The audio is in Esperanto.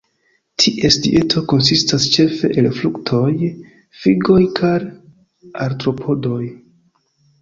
Ties dieto konsistas ĉefe el fruktoj, figoj kaj artropodoj.